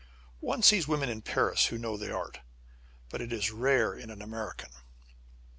One sees women in Paris who know that art, but it is rare in an American.